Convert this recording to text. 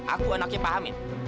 aku anaknya pak hamid